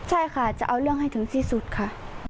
ใช่ค่ะจะเอาเรื่องให้ถึงที่สุดค่ะ